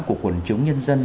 của quần chúng nhân dân